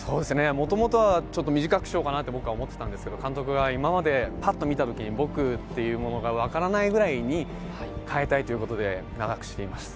もともとは短くしようかなと僕は思っていたんですが監督が今までぱっと見たときに僕というものが分からないぐらいに変えたいということで長くしてみました。